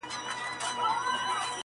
مخ په مړوند کله پټیږي.!